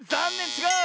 ちがう！